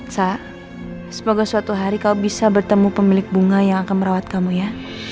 sa semoga suatu hari kau bisa bertemu pemilik bunga yang akan merawat kamu ya